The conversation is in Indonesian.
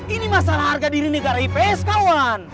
ini masalah harga diri negara ips kawan